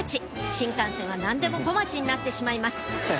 新幹線は何でも「こまち」になってしまいます